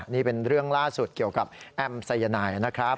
นี่เป็นเรื่องล่าสุดเกี่ยวกับแอมสายนายนะครับ